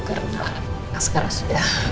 karena sekarang sudah